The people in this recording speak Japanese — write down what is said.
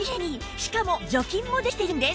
しかも除菌もできているんです